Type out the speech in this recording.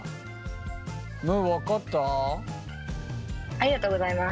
ありがとうございます。